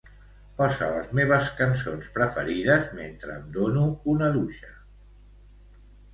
Posa les meves cançons preferides mentre em dono una dutxa.